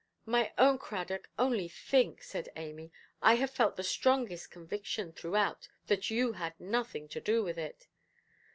"My own Cradock, only think", said Amy; "I have felt the strongest conviction, throughout, that you had nothing to do with it".